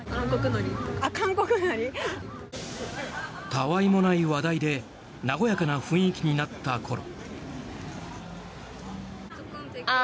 たわいもない話題で和やかな雰囲気になったころ。